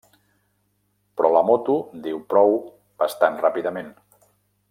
Però la moto diu prou bastant ràpidament.